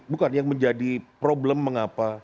bukan yang menjadi problem mengapa